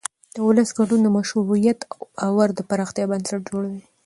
د ولس ګډون د مشروعیت او باور د پراختیا بنسټ جوړوي